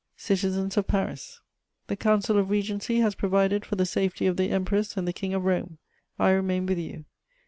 "CITIZENS OF PARIS, "The Council of Regency has provided for the safety of the Empress and the King of Rome: I remain with you.